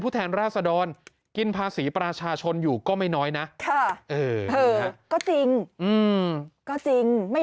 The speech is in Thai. ผู้แทนราชศดอนกินภาษีปราชาชนอยู่ก็ไม่น้อยนะก็จริงไม่